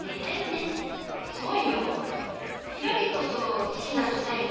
ひらりこそ好きなんじゃないの？